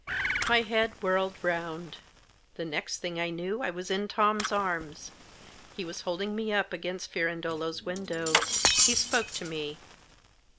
My head whirled round. The next thing I knew I was in Tom's arms. He was holding me up against Firandolo's window. He spoke to me.